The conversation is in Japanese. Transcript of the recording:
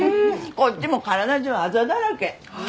こっちも体中あざだらけ。